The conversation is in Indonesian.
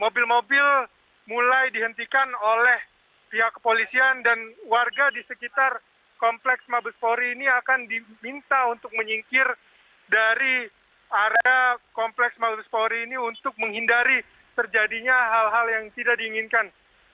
mobil mobil mulai dihentikan oleh pihak kepolisian dan warga di sekitar kompleks mabes polri ini akan diminta untuk menyingkir dari area kompleks mabes polri ini untuk menghindari terjadinya hal hal yang tidak diinginkan